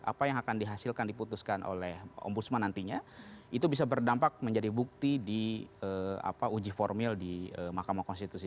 apa yang akan dihasilkan diputuskan oleh ombudsman nantinya itu bisa berdampak menjadi bukti di uji formil di mahkamah konstitusi